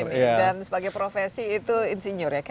ini dan sebagai profesi itu insinyur ya